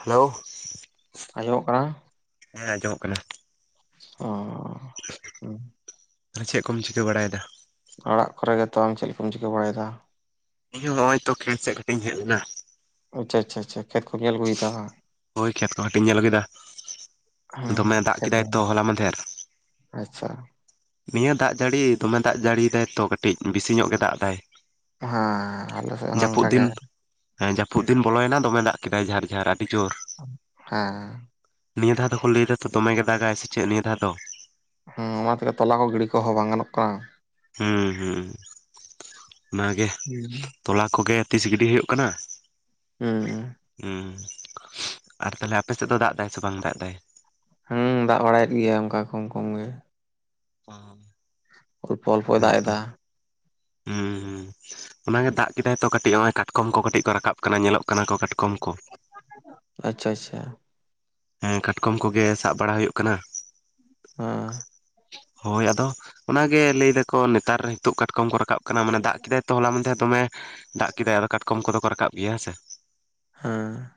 Hello ᱟᱸᱡᱚᱢᱚᱜ ᱠᱟᱱᱟ᱾ ᱦᱮᱸ ᱟᱸᱡᱚᱢᱚᱜ ᱠᱟᱱᱟ᱾ ᱚᱸ ᱛᱟᱞᱦᱮ ᱪᱮᱫ ᱠᱚᱢ ᱪᱤᱠᱟᱹ ᱵᱟᱲᱟᱭᱫᱟ᱾ ᱚᱲᱟᱜ ᱠᱚᱨᱮ ᱜᱮᱛᱚ ᱟᱢ ᱪᱮᱜ ᱞᱮᱠᱟᱢ ᱪᱤᱠᱟᱹ ᱵᱟᱲᱟᱭᱮᱫᱟ᱾ ᱤᱧ ᱦᱚᱸ ᱦᱚᱸᱜ-ᱚᱭ ᱛᱚ ᱠᱷᱮᱛ ᱥᱮᱫ ᱠᱟᱹᱴᱤᱡ ᱤᱧ ᱦᱮᱡ ᱞᱮᱱᱟ᱾ ᱟᱪᱪᱷᱟ ᱟᱪᱪᱷᱟ ᱟᱪᱪᱷᱟ ᱠᱷᱮᱛ ᱠᱚᱢ ᱧᱮᱞ ᱟᱹᱜᱩᱭᱮᱫᱟ ᱵᱟᱝ᱾ ᱦᱳᱭ ᱠᱷᱮᱛ ᱠᱚ ᱠᱟᱹᱴᱤᱧ ᱧᱮᱞ ᱟᱹᱜᱩᱭᱫᱟ ᱦᱮᱸ ᱫᱚᱢᱮ ᱦᱮᱸ ᱫᱟᱜ ᱠᱷᱮᱛ ᱠᱮᱫᱟᱭ ᱧᱮᱞ ᱛᱚ ᱦᱚᱞᱟ ᱢᱟᱸᱫᱷᱮᱨ᱾ ᱟᱪᱪᱷᱟ ᱱᱤᱭᱟᱹ ᱫᱟᱜ ᱡᱟᱹᱲᱤ ᱫᱚᱢᱮ ᱫᱟᱜ ᱡᱟᱹᱲᱤᱭ ᱫᱟᱭ ᱛᱚ ᱠᱟᱹᱴᱤᱡ ᱵᱮᱥᱤ ᱧᱚᱜ ᱜᱮ ᱫᱟᱜ ᱫᱟᱭ᱾ ᱦᱮᱸ ᱟᱞᱮ ᱥᱮᱜ ᱦᱚᱸ ᱚᱝᱠᱟ ᱫᱤᱱ ᱜᱮ ᱦᱮᱸ ᱡᱟᱹᱯᱩᱫ ᱫᱤᱱ ᱵᱚᱞᱚᱭᱮᱱᱟ ᱫᱚᱢᱮ ᱫᱟᱜ ᱠᱮᱫᱟᱭ ᱡᱷᱟᱨ ᱡᱷᱟᱨ ᱟᱹᱰᱤ ᱡᱳᱨ᱾ ᱦᱮᱸ ᱱᱤᱭᱟᱹ ᱫᱷᱟᱣ ᱫᱚᱠᱚ ᱞᱟᱹᱭ ᱮᱫᱟᱛᱚ ᱫᱚᱢᱮᱜᱮ ᱜᱮ ᱫᱟᱜᱟᱭ ᱥᱮ ᱪᱮᱫ ᱱᱤᱭᱟᱹ ᱫᱷᱟᱣ ᱫᱚ᱾ ᱦᱩᱸ ᱚᱱᱟ ᱛᱮᱜᱮ ᱛᱚᱞᱟ ᱠᱚ ᱜᱤᱲᱤ ᱠᱚᱦᱚᱸ ᱵᱟᱝ ᱜᱟᱱᱚᱜ ᱠᱟᱱᱟ᱾ ᱦᱩᱸ ᱦᱩᱸ ᱚᱱᱟᱜᱮ ᱦᱩᱸ ᱛᱚᱞᱟ ᱠᱚᱜᱮ ᱛᱤᱥ ᱜᱤᱰᱤ ᱦᱩᱭᱩᱜ ᱠᱟᱱᱟ᱾ ᱦᱩᱸᱻ ᱦᱩᱸ ᱟᱨ ᱛᱟᱦᱞᱮ ᱟᱯᱮ ᱥᱮᱫ ᱫᱚ ᱫᱟᱜ ᱮᱫᱟᱭ ᱥᱮ ᱵᱟᱝ ᱫᱟᱜ ᱮᱫᱟᱭ? ᱦᱩᱸ ᱫᱟᱜ ᱵᱟᱲᱟᱭᱮᱫ ᱜᱮᱭᱟ ᱚᱱᱠᱟ ᱠᱚᱢ ᱠᱚᱢ ᱜᱮ᱾ ᱯᱚᱸ ᱚᱞᱯᱚ ᱚᱞᱯᱚᱭ ᱫᱟᱜ ᱮᱫᱟ᱾ ᱚᱱᱟᱜ ᱜᱮ ᱫᱟᱜ ᱠᱮᱫᱟᱭ ᱛᱚ ᱠᱟᱹᱴᱤᱡ ᱦᱚᱸᱜᱼᱚᱭ ᱠᱟᱴᱠᱚᱢ ᱠᱚ ᱠᱟᱹᱴᱤᱡ ᱠᱚ ᱨᱟᱠᱟᱵ ᱠᱟᱱᱟ ᱧᱮᱞᱚᱜ ᱠᱟᱱᱟ ᱠᱚ ᱠᱟᱴᱠᱚᱢ ᱠᱚ᱾ [unintelligible] ᱟᱪᱪᱷᱟ ᱟᱪᱪᱷᱟ ᱦᱮᱸ ᱠᱟᱴᱠᱚᱢ ᱠᱚᱜᱮ ᱥᱟᱵ ᱵᱟᱲᱟ ᱦᱳᱭᱳᱜ ᱠᱟᱱᱟ᱾ ᱦᱮᱸ ᱦᱳᱭ ᱟᱫᱚ ᱚᱱᱟᱜᱮ ᱞᱟᱹᱭ ᱫᱟᱠᱚ ᱱᱮᱛᱟᱨ ᱱᱤᱛᱚᱜ ᱠᱟᱴᱠᱚᱢ ᱠᱚ ᱨᱟᱠᱟᱵ ᱠᱟᱱᱟ ᱢᱟᱱᱮ ᱫᱟᱜ ᱠᱮᱫᱟᱭ ᱛᱚ ᱦᱚᱞᱟ ᱢᱟᱸᱫᱷᱮᱨ ᱫᱚᱢᱮ᱾ ᱫᱟᱜ ᱠᱮᱫᱟᱭ ᱟᱫᱚ ᱠᱟᱴᱠᱚᱢ ᱠᱚᱫᱚ ᱠᱚ ᱨᱟᱠᱟᱵ ᱜᱮᱭᱟ ᱦᱮᱸᱥᱮ᱾ ᱦᱮᱸ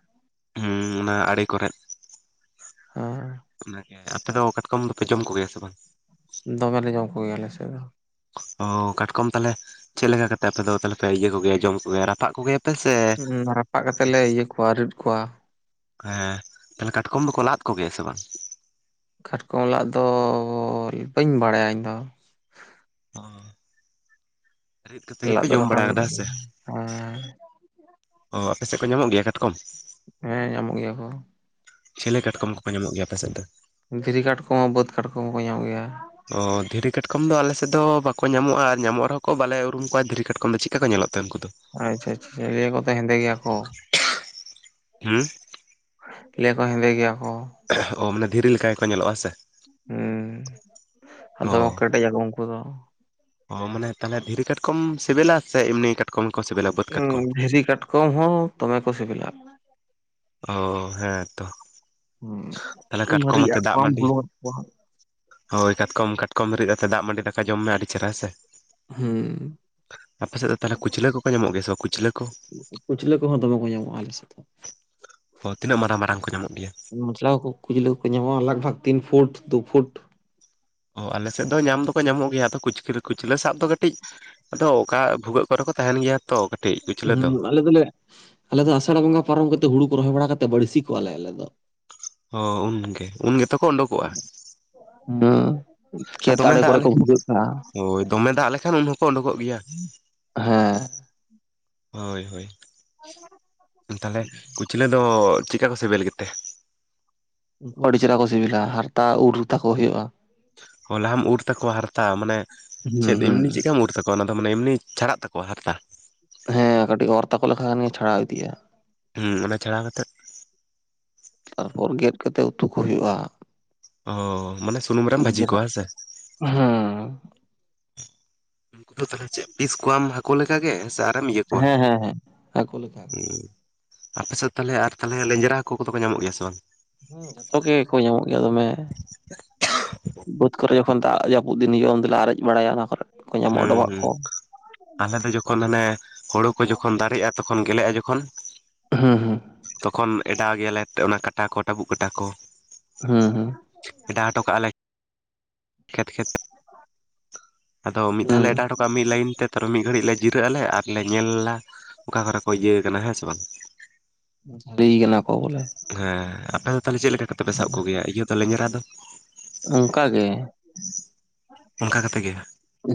ᱦᱩᱸ ᱚᱱᱟ ᱟᱲᱮ ᱠᱚᱨᱮᱫ ᱦᱮᱸ [inaudible] ᱚᱱᱟᱜᱮ ᱟᱯᱮ ᱫᱚ ᱠᱟᱴᱠᱚᱢ ᱫᱚᱯᱮ ᱡᱚᱢ ᱠᱚᱜᱮᱭᱟ ᱥᱮ ᱵᱟᱝ? ᱫᱚᱢᱮᱞᱮ ᱞᱮ ᱡᱚᱢ ᱠᱚ ᱜᱮᱭᱟ ᱟᱞᱮ ᱥᱮᱜ ᱫᱚ᱾ ᱚ ᱠᱟᱴᱠᱚᱢ ᱛᱟᱦᱞᱮ ᱪᱮᱫ ᱞᱮᱠᱟ ᱠᱟᱛᱮ ᱟᱯᱮ ᱫᱚ ᱛᱟᱦᱞᱮ ᱯᱮ ᱤᱭᱟᱹ ᱠᱚᱜᱮᱭᱟ ᱡᱚᱢ ᱠᱚᱜᱮᱭᱟ ᱨᱟᱯᱟᱜ ᱠᱚᱜᱮᱭᱟ ᱦᱩᱸ ᱨᱟᱯᱟᱜ ᱠᱟᱛᱮᱜ ᱞᱮ ᱤᱭᱟᱹ ᱠᱚᱣᱟ ᱨᱤᱫ ᱠᱚᱣᱟ᱾ ᱦᱮᱸ ᱛᱟᱦᱞᱮ ᱠᱟᱴᱠᱚᱢ ᱫᱚᱠᱚ ᱞᱟᱫ ᱠᱚ ᱜᱮᱭᱟ ᱥᱮ ᱵᱟᱝ? ᱠᱟᱴᱠᱚᱢ ᱞᱟᱫ ᱫᱚ ᱵᱟᱹᱧ ᱵᱟᱲᱟᱭᱟ ᱤᱧᱫᱚ᱾ ᱚ ᱨᱤᱫ ᱠᱟᱛᱮ ᱞᱟᱫ ᱜᱮᱯᱮ ᱫᱚ ᱡᱚᱢ ᱵᱟᱠᱷᱟᱱ ᱵᱟᱲᱟ ᱠᱟᱫᱟ ᱦᱮᱸᱥᱮ, ᱦᱮᱸ ᱚ ᱟᱯᱮᱥᱮᱜ ᱠᱚ ᱧᱟᱢᱚᱜ ᱜᱮᱭᱟ ᱠᱟᱴᱠᱚᱢ? ᱦᱮᱸ ᱧᱟᱢᱚᱜ ᱜᱮᱭᱟ ᱠᱚ᱾ ᱪᱮᱞᱮ ᱠᱟᱴᱠᱚᱢ ᱠᱚᱠᱚ ᱧᱟᱢᱚᱜ ᱜᱮᱭᱟ ᱟᱯᱮ ᱥᱮᱫ ᱫᱚ? ᱫᱷᱤᱨᱤ ᱠᱟᱴᱠᱚᱢ ᱦᱚᱸ ᱵᱟᱹᱫᱽ ᱠᱟᱴᱠᱚᱢ ᱦᱚᱸ ᱠᱚ ᱧᱟᱢ ᱜᱮᱭᱟ᱾ ᱚ ᱫᱷᱤᱨᱤ ᱠᱟᱴᱠᱚᱢ ᱫᱚ ᱟᱞᱮ ᱥᱮᱫ ᱫᱚ ᱵᱟᱠᱚ ᱧᱟᱢᱚᱜᱼᱟ ᱟᱨ ᱧᱟᱢᱚᱜ ᱨᱮᱦᱚᱸ ᱠᱚ ᱵᱟᱞᱮ ᱩᱨᱩᱢ ᱠᱚᱣᱟ ᱫᱷᱤᱨᱤ ᱠᱟᱴᱠᱚᱢ ᱫᱚ ᱪᱮᱠᱟ ᱠᱚ ᱧᱮᱞᱚᱜ ᱛᱮ ᱩᱱᱠᱩ ᱫᱚ, ᱟᱪᱪᱷᱟ ᱟᱪᱪᱷᱟ ᱟᱪᱪᱷᱟ ᱞᱟᱹᱭ ᱟᱠᱚ ᱛᱚ ᱦᱮᱸᱫᱮ ᱜᱮᱭᱟ ᱠᱚ᱾ ᱦᱩᱸ, ᱞᱟᱹᱭ ᱟᱠᱚ ᱦᱮᱸᱫᱮ ᱜᱮᱭᱟ ᱠᱚ᱾ ᱚ ᱢᱟᱱᱮ ᱫᱷᱤᱨᱤ ᱞᱮᱠᱟ ᱜᱮᱠᱚ ᱧᱮᱞᱚᱜᱼᱟ ᱥᱮ᱾ ᱦᱩᱸ ᱚ ᱟᱫᱚ ᱠᱮᱴᱮᱡ ᱟᱠᱚ ᱩᱱᱠᱩ ᱫᱚ, ᱚ ᱢᱟᱱᱮ ᱛᱟᱦᱞᱮ ᱫᱷᱤᱨᱤ ᱠᱟᱴᱠᱚᱢ ᱥᱤᱵᱤᱞᱟ ᱥᱮ ᱮᱢᱱᱤ ᱠᱟ ᱩᱸ ᱫᱷᱤᱨᱤ ᱠᱟᱴᱠᱚᱢ ᱦᱚᱸ ᱫᱚᱢᱮ ᱠᱚ ᱥᱮᱹᱵᱤᱞᱟ ᱟᱨ, ᱚ ᱦᱮᱸᱛᱚ ᱦᱩᱸ ᱛᱟᱦᱞᱮ ᱠᱟᱴᱠᱚᱢ ᱢᱟᱨᱤᱪ ᱟᱛᱮ ᱟᱜ ᱫᱟᱜᱽ ᱠᱚᱣᱟᱢ ᱢᱟᱺᱰᱤ, ᱵᱩᱞᱩᱝ ᱟᱜ ᱠᱚᱣᱟ ᱦᱳᱭ ᱠᱟᱴᱠᱚᱢ ᱠᱟᱴᱠᱚᱢ ᱨᱤᱫ ᱟᱛᱮᱫ ᱫᱟᱜᱽ ᱢᱟᱺᱰᱤ ᱫᱟᱠᱟ ᱡᱚᱢ ᱢᱮ ᱟᱹᱰᱤ ᱪᱮᱨᱦᱟ ᱦᱮᱸ ᱥᱮ᱾ ᱦᱩᱸ ᱟᱯᱮ ᱥᱮᱫ ᱫᱚ ᱛᱟᱦᱞᱮ ᱠᱩᱪᱞᱟᱹ ᱠᱚᱠᱚ ᱧᱟᱢᱚᱜ ᱜᱮᱭᱟ ᱥᱮ ᱵᱟᱝ ᱠᱩᱪᱞᱟᱹ ᱠᱚ? ᱠᱩᱪᱞᱟᱹ ᱠᱚᱦᱚᱸ ᱫᱚᱢᱮ ᱠᱚ ᱧᱟᱢᱚᱜᱼᱟ ᱟᱞᱮ ᱥᱮᱫ ᱫᱚ᱾ ᱚ ᱛᱤᱱᱟᱹᱜ ᱢᱟᱨᱟᱝ ᱢᱟᱨᱟᱝ ᱠᱚ ᱧᱟᱢᱚᱜ ᱜᱮᱭᱟ᱾ ᱢᱚᱥᱞᱟ ᱠᱚ ᱠᱩᱪᱞᱟᱹ ᱠᱚ ᱧᱟᱢᱚᱜᱼᱟ ᱞᱟᱜᱽ ᱵᱷᱟᱜ ᱛᱤᱱ ᱯᱷᱩᱴ ᱫᱩ ᱯᱷᱩᱴ᱾ ᱚ ᱟᱞᱮ ᱥᱮᱫ ᱫᱚ ᱧᱟᱢ ᱫᱚᱠᱚ ᱧᱟᱢᱚᱜ ᱜᱮᱭᱟᱫᱚ ᱠᱩᱪ ᱠᱩᱪᱞᱟᱹ ᱥᱟᱵ ᱫᱚ ᱠᱟᱹᱴᱤᱜ, ᱟᱫᱚ ᱚᱠᱟ ᱵᱷᱩᱜᱟᱹᱜ ᱠᱚᱨᱮ ᱠᱚ ᱛᱟᱦᱮᱱ ᱜᱮᱭᱟ ᱛᱚ, ᱠᱟᱹᱴᱤᱡ ᱠᱩᱪᱞᱟᱹ ᱫᱚ ᱦᱩᱸ ᱟᱞᱮ ᱫᱚᱞᱮ, ᱟᱞᱮ ᱫᱚ ᱟᱥᱟᱲ ᱵᱚᱸᱜᱟ ᱯᱟᱨᱚᱢ ᱠᱟᱛᱮ ᱦᱩᱲᱩ ᱠᱚ ᱨᱚᱦᱚᱭ ᱵᱟᱲᱟ ᱠᱟᱛᱮᱫ ᱵᱟᱹᱲᱥᱤ ᱠᱚᱣᱟᱞᱮ ᱟᱞᱮ ᱫᱚ᱾ ᱦᱚ ᱩᱱᱜᱮ ᱩᱱ ᱜᱮᱛᱚ ᱠᱚ ᱩᱰᱩᱠᱚᱜᱼᱟ᱾ ᱦᱩᱸ ᱠᱷᱮᱛ ᱟᱫᱚᱢᱮ ᱟᱲᱮ ᱫᱟᱜᱽ ᱠᱚᱨᱮ ᱞᱮ ᱠᱚ ᱵᱷᱩᱜᱟᱹᱜ ᱠᱟᱜᱼᱟ ᱚ ᱫᱚᱢᱮ ᱫᱟᱜᱽ ᱞᱮᱠᱷᱟᱱ ᱩᱱ ᱦᱚᱸᱠᱚ ᱩᱰᱩᱠᱚᱜ ᱜᱮᱭᱟ᱾ ᱦᱮᱸ, ᱦᱳᱭ ᱦᱳᱭ ᱛᱟᱦᱚᱞᱮ ᱠᱩᱪᱞᱟᱹ ᱫᱚ ᱪᱮᱠᱟ ᱠᱚ ᱥᱤᱵᱤᱞ ᱜᱮᱛᱮ? ᱩᱱᱠᱚ ᱟᱹᱰᱤ ᱪᱮᱨᱦᱟ ᱠᱚ ᱥᱤᱵᱤᱞᱟ ᱦᱟᱨᱛᱟ ᱩᱨᱛᱟᱠᱚ ᱦᱩᱭᱩᱜᱼᱟ᱾ ᱦᱚ ᱞᱟᱦᱟᱢ ᱩᱨ ᱛᱟᱠᱚᱣᱟ ᱦᱟᱨᱛᱟ ᱢᱟᱱᱮ ᱦᱩᱸ ᱪᱮᱫ ᱦᱩᱸ ᱮᱢᱱᱤ ᱪᱮᱫ ᱞᱮᱠᱟᱢ ᱩᱨ, ᱛᱟᱠᱚᱣᱟ ᱚᱱᱟ ᱫᱚ ᱢᱟᱱᱮ ᱮᱢᱱᱤ ᱪᱷᱟᱲᱟᱜ ᱛᱟᱠᱚ ᱦᱟᱨᱛᱟ ᱦᱮᱸ ᱠᱟᱹᱴᱤᱜ ᱚᱨ ᱛᱟᱠᱚ ᱞᱮᱠᱷᱟᱱ ᱜᱮ ᱪᱷᱟᱲᱟᱣ ᱤᱫᱤᱜᱼᱟ᱾ ᱦᱩᱸ ᱚᱱᱟ ᱪᱷᱟᱲᱟᱣ ᱠᱟᱛᱮᱫ ᱛᱟᱨᱯᱚᱨ ᱜᱮᱫ ᱠᱟᱛᱮᱫ ᱩᱛᱩ ᱠᱚ ᱦᱩᱭᱩᱜᱼᱟ᱾ ᱚ ᱢᱟᱱᱮ ᱥᱩᱱᱩᱢ ᱨᱮᱢ ᱵᱷᱟᱹᱡᱤ ᱠᱚᱣᱟ ᱦᱮᱸ ᱥᱮ, ᱦᱩᱸᱻ [unintelligible] ᱛᱟᱦᱚᱞᱮ ᱪᱮᱫ ᱯᱤᱥ ᱠᱚᱣᱟᱢ ᱦᱟᱹᱠᱩ ᱞᱮᱠᱟ ᱜᱮ ᱥᱮ ᱟᱨᱮᱢ ᱤᱭᱟᱹ ᱠᱚᱣᱟ ᱦᱮᱸ ᱦᱮᱸ ᱦᱮᱸ ᱦᱟᱹᱠᱩ ᱞᱮᱠᱟ ᱩᱸ? ᱟᱯᱮ ᱥᱮᱫ ᱛᱟᱦᱚᱞᱮ ᱟᱨ ᱛᱟᱦᱚᱞᱮ ᱞᱮᱱᱡᱨᱟ ᱦᱟᱹᱠᱳ ᱠᱚᱫᱚ ᱠᱚ ᱧᱟᱢᱚᱜ ᱜᱮᱭᱟ ᱥᱮ ᱵᱟᱝ? ᱦᱩᱸ ᱡᱷᱚᱛᱚ ᱜᱮᱠᱚ ᱧᱟᱢᱚᱜ ᱜᱮᱭᱟ ᱫᱚᱢᱮ᱾ ᱵᱟᱹᱫᱽ ᱠᱚᱨᱮ ᱡᱚᱠᱷᱚᱱ ᱫᱟᱜᱽ ᱡᱟᱹᱯᱩᱫ ᱫᱤᱱ ᱦᱤᱡᱩᱜᱼᱟ ᱩᱱ ᱫᱚᱞᱮ ᱟᱨᱮᱜ ᱵᱟᱲᱟᱭᱟ ᱚᱱᱟ ᱠᱚᱨᱮ᱾ ᱠᱚ ᱧᱟᱢᱚᱜᱼᱟ ᱦᱩᱸ ᱰᱚᱵᱷᱟᱜ ᱠᱚ ᱦᱩᱸ, ᱟᱞᱮ ᱫᱚ ᱡᱚᱠᱷᱚᱱ ᱦᱟᱱᱮ ᱦᱳᱲᱳ ᱠᱚ ᱡᱚᱠᱷᱚᱱ ᱫᱟᱨᱮᱜᱼᱟ ᱛᱚ ᱠᱷᱚᱱ ᱜᱮᱞᱮᱜᱼᱟ ᱡᱚᱠᱷᱚᱱ ᱦᱩᱸ ᱦᱩᱸ᱾ ᱛᱚᱠᱷᱚᱱ ᱮᱰᱟᱣ ᱜᱮᱭᱟᱞᱮ ᱚᱱᱟ ᱠᱟᱴᱟ ᱠᱚ ᱴᱟᱹᱵᱩᱜ ᱠᱟᱴᱟ ᱠᱚ᱾ ᱦᱩᱸ ᱦᱩᱸ᱾ ᱮᱰᱟᱣ ᱦᱚᱴᱚ ᱠᱟᱜ ᱟᱞᱮ ᱠᱷᱮᱛ ᱠᱷᱮᱛ ᱾ ᱟᱫᱚ ᱢᱤᱫ ᱫᱷᱟᱣ ᱦᱩᱸ ᱞᱮ ᱮᱰᱟᱣ ᱦᱚᱴᱚ ᱠᱟᱜᱼᱟ ᱢᱤᱫ ᱞᱟᱭᱤᱱ ᱛᱮ ᱛᱚ ᱢᱤᱫ ᱜᱷᱟᱹᱲᱤᱡ ᱞᱮ ᱡᱤᱨᱟᱹᱜ ᱟᱞᱮ ᱟᱨ ᱞᱮ ᱧᱮᱞ ᱞᱟ ᱚᱠᱟ ᱠᱚᱨᱮ ᱠᱚ ᱤᱭᱟᱹᱣ ᱠᱟᱱᱟ ᱦᱮᱸ ᱥᱮ ᱵᱟᱝ᱾ ᱡᱷᱟᱞᱤᱭ ᱠᱟᱱᱟ ᱠᱚ ᱵᱚᱞᱮ᱾ ᱦᱮᱸ ᱟᱯᱮ ᱫᱚ ᱛᱟᱦᱚᱞᱮ ᱪᱮᱫ ᱞᱮᱠᱟ ᱠᱟᱛᱮ ᱯᱮ ᱥᱟᱵ ᱠᱚᱜᱮᱭᱟ ᱤᱭᱟᱹ ᱫᱚ ᱞᱮᱸᱡᱨᱟ ᱫᱚ? ᱚᱝᱠᱟ ᱜᱮ᱾ ᱚᱱᱠᱟ ᱠᱟᱛᱮ ᱜᱮ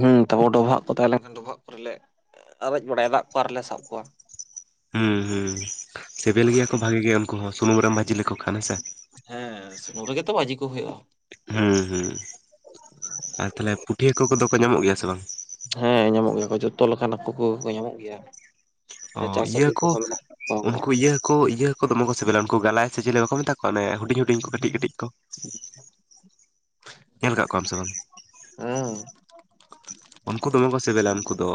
ᱦᱮᱸ ᱛᱟᱯᱚᱨ ᱰᱚᱵᱷᱟᱜ ᱠᱚ ᱛᱟᱦᱮᱸ ᱞᱮᱱᱠᱷᱟᱱ ᱰᱚᱵᱷᱟᱜ ᱠᱚᱨᱮᱞᱮ ᱟᱨᱮᱡ ᱵᱟᱲᱟᱭᱟ ᱫᱟᱜ ᱠᱚ, ᱟᱨ ᱞᱮ ᱥᱟᱵ ᱠᱚᱣᱟ᱾ ᱦᱩᱸ ᱦᱩᱸ ᱥᱤᱵᱤᱞ ᱜᱮᱭᱟ ᱠᱚ ᱵᱷᱟᱜᱤ ᱜᱮ ᱩᱱᱠᱩ ᱦᱚᱸ, ᱥᱩᱱᱩᱢ ᱨᱮᱢ ᱵᱷᱟᱹᱡᱤ ᱞᱮᱠᱚ ᱠᱷᱟᱱ ᱦᱮᱸᱥᱮ᱾ ᱦᱮᱸ ᱥᱩᱱᱩᱢ ᱨᱮᱜᱮ ᱛᱚ ᱵᱷᱟᱹᱡᱤ ᱠᱚ ᱦᱳᱭᱳᱜᱼᱟ᱾ ᱦᱩᱸ ᱦᱩᱸ ᱟᱨ ᱛᱟᱦᱞᱮ ᱯᱩᱴᱷᱤ ᱦᱟᱹᱠᱩ ᱠᱚᱫᱚ ᱠᱚ ᱧᱟᱢᱚᱜ ᱜᱮᱭᱟ ᱥᱮ ᱵᱟᱝ? ᱦᱮᱸ ᱧᱟᱢᱚᱜ ᱜᱮᱭᱟ ᱠᱚ, ᱡᱚᱛᱚ ᱞᱮᱠᱟᱱ ᱦᱟᱹᱠᱩ ᱠᱚᱜᱮ ᱠᱚ ᱧᱟᱢᱚᱜ ᱜᱮᱭᱟ᱾ ᱚ ᱟᱨ ᱪᱟᱥ ᱤᱭᱟᱹ ᱦᱟᱹᱠᱩ ᱠᱚ ᱠᱚᱦᱚᱸ ᱢᱮᱱᱟᱜ ᱠᱟᱜ ᱠᱚᱣᱟ ᱚᱱᱠᱟ ᱩᱱᱠᱩ ᱤᱭᱟᱹ ᱦᱟᱠᱩ ᱤᱭᱟᱹ ᱠᱚ ᱫᱚᱢᱮᱠᱚ ᱥᱤᱵᱤᱞᱟ, ᱩᱱᱠᱩ ᱜᱟᱞᱟᱭ ᱥᱮ ᱪᱮᱞᱮ ᱵᱟᱠᱚ ᱢᱮᱛᱟ ᱠᱚᱣᱟ ᱚᱱᱮ ᱦᱩᱰᱤᱧ ᱦᱩᱰᱤᱧ ᱠᱚ ᱠᱟᱹᱴᱤᱡ ᱠᱟᱹᱴᱤᱡ ᱠᱚ᱾ ᱧᱮᱞ ᱠᱟᱫ ᱠᱚᱣᱟᱢ ᱥᱮ ᱵᱟᱝ? ᱚᱸᱻ᱾ ᱩᱱᱠᱩ ᱫᱚᱢᱮᱠᱚ ᱥᱮᱵᱮᱞᱟ, ᱩᱱᱠᱩ ᱫᱚ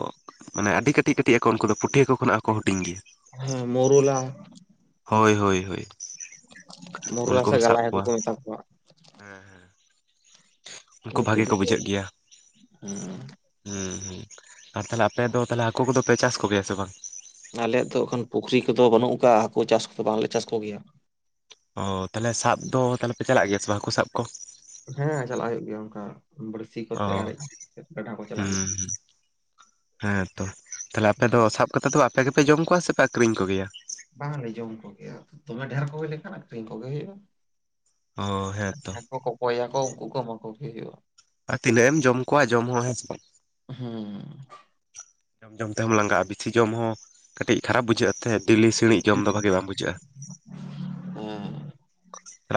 ᱢᱟᱱᱮ ᱟᱹᱰᱤ ᱠᱟᱹᱴᱤᱡ ᱠᱟᱹᱴᱤᱡ ᱟᱠᱚ ᱩᱱᱠᱩ ᱫᱚ᱾ ᱯᱩᱴᱷᱤ ᱦᱟᱹᱠᱩ ᱠᱷᱚᱱᱟᱜ ᱦᱚᱸ ᱠᱚ ᱦᱩᱴᱤᱧ ᱜᱮᱭᱟ᱾ ᱦᱮᱸ ᱢᱳᱨᱳᱞᱟ᱾ ᱦᱳᱭ ᱦᱳᱭ ᱦᱳᱭ, ᱢᱳᱨᱳᱞᱟ ᱥᱮ ᱩᱱᱠᱩᱢ ᱥᱟᱵ ᱜᱟᱞᱟᱭ ᱦᱟᱹᱠᱩ ᱠᱚᱣᱟ ᱠᱚ ᱢᱮᱛᱟ ᱠᱚᱣᱟ ᱦᱮᱸ ᱦᱮᱸ᱾ ᱩᱝᱠᱩ ᱩᱱᱠᱩ ᱵᱷᱟᱜᱮ ᱠᱚ ᱫᱚᱠᱚ ᱵᱩᱡᱷᱟᱹᱜ ᱜᱮᱭᱟ᱾ ᱦᱮᱸ ᱦᱩᱸ ᱦᱩᱸ ᱟᱨ ᱛᱟᱦᱚᱞᱮ ᱟᱯᱮ ᱫᱚ ᱛᱟᱦᱚᱞᱮ ᱦᱟᱹᱠᱩ ᱠᱚᱫᱚ ᱯᱮ ᱪᱟᱥ ᱠᱚ ᱜᱮᱭᱟ ᱥᱮ ᱵᱟᱝ? ᱟᱞᱮᱭᱟᱜ ᱫᱚ ᱮᱠᱷᱚᱱ ᱯᱩᱠᱷᱨᱤ ᱠᱚᱫᱚ ᱵᱟᱹᱱᱩᱜ ᱟᱠᱟᱜ-ᱟ᱾ ᱦᱟᱹᱠᱩ ᱪᱟᱥ ᱠᱚᱫᱚ ᱵᱟᱝᱞᱮ ᱪᱟᱥ ᱠᱚ ᱜᱮᱭᱟ᱾ ᱚ ᱛᱟᱦᱚᱞᱮ ᱥᱟᱵ ᱫᱚ ᱛᱟᱦᱚᱞᱮ ᱯᱮ ᱪᱟᱞᱟᱜ ᱜᱮᱭᱟ ᱥᱮ ᱵᱟᱝ ᱦᱟᱹᱠᱩ ᱥᱟᱵ ᱠᱚ? ᱦᱮᱸ ᱪᱟᱞᱟᱜ ᱦᱩᱭᱩᱜ ᱜᱮᱭᱟ ᱚᱝᱠᱟ [unintelligible] ᱚ ᱦᱩᱸᱦᱩᱸ ᱦᱮᱸ ᱛᱚ ᱛᱟᱦᱚᱞᱮ ᱟᱯᱮ ᱜᱮᱭᱟ᱾ ᱫᱚ ᱥᱟᱵ ᱠᱟᱛᱮ ᱫᱚ ᱟᱯᱮ ᱜᱮᱯᱮ ᱡᱚᱢ ᱠᱚᱣᱟ ᱥᱮ ᱯᱮ ᱟᱠᱷᱨᱤᱧ ᱠᱚ ᱜᱮᱭᱟ? ᱵᱟᱝ ᱞᱮ ᱡᱚᱢ ᱠᱚᱜᱮᱭᱟ, ᱫᱚᱢᱮ ᱰᱷᱮᱨ ᱠᱚ ᱦᱩᱭ ᱞᱮᱠᱷᱟᱱ ᱟᱹᱠᱷᱨᱤᱧ ᱠᱚᱜᱮ ᱦᱳᱭᱳᱜᱼᱟ᱾ ᱚ ᱦᱮᱸᱛᱚ ᱡᱟᱦᱟᱸᱭ ᱠᱚ ᱠᱚᱠᱚᱭ ᱟᱠᱚ ᱩᱱᱠᱩ ᱠᱚ ᱮᱢᱟ ᱠᱚᱜᱮ ᱦᱩᱭᱩᱜᱼᱟ᱾ ᱟᱨ ᱛᱤᱱᱟᱹᱜ ᱮᱢ ᱡᱚᱢ ᱠᱚᱣᱟ ᱡᱚᱢ ᱦᱚᱸ ᱦᱮᱸ ᱪᱮ ᱵᱟᱝ? ᱦᱩᱸᱻ᱾ ᱡᱚᱢ ᱡᱚᱢ ᱛᱮᱦᱚᱸᱢ ᱞᱟᱝᱜᱟᱜᱼᱟ, ᱵᱤᱥᱤ ᱡᱚᱢ ᱦᱚᱸ ᱠᱟᱹᱴᱤᱡ ᱠᱷᱟᱨᱟᱯ ᱵᱩᱡᱷᱟᱹᱜᱼᱟ ᱛᱷᱮ᱾ ᱰᱤᱞᱤ ᱥᱤᱬᱤᱡ ᱡᱚᱢ ᱫᱚ ᱵᱷᱟᱜᱮ ᱵᱟᱝ ᱵᱩᱡᱷᱟᱹᱜᱼᱟ᱾ ᱦᱮᱸ